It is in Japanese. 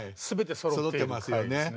そろってますよね。